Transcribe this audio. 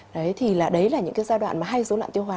đấy là những cái giai đoạn mà hay dối loạn tiêu hóa